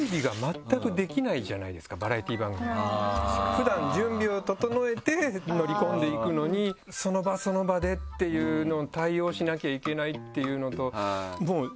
普段準備を整えて乗り込んでいくのにその場その場でっていうのに対応しなきゃいけないっていうのと。